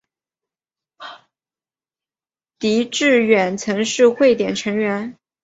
狄志远曾是汇点成员。